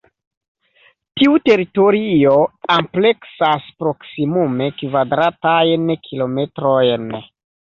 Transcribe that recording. Tiu teritorio ampleksas proksimume kvadratajn kilometrojn.